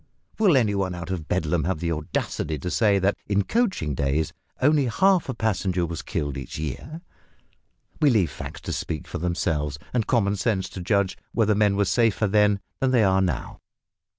Will any one out of Bedlam have the audacity to say that in coaching days only half a passenger was killed each year? We leave facts to speak for themselves, and common sense to judge whether men were safer then than they are now.